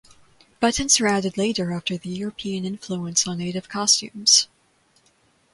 Buttons were added later after the European influence on the native costumes.